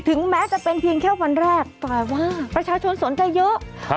แม้จะเป็นเพียงแค่วันแรกแปลว่าประชาชนสนใจเยอะ